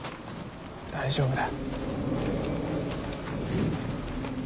大丈夫だ。